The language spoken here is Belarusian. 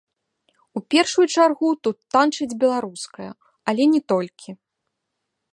У першую чаргу тут танчаць беларускае, але не толькі.